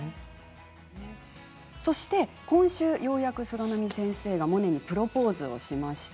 そして今週ようやく菅波先生がモネにプロポーズをしました。